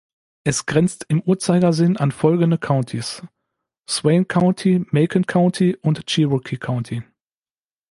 Es grenzt im Uhrzeigersinn an folgende Countys: Swain County, Macon County und Cherokee County.